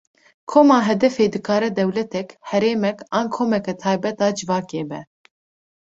Koma hedefê dikare dewletek, herêmek an komeke taybet a civakê be.